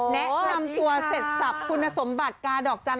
แนะนำตัวเสร็จสับคุณสมบัติกาดอกจันท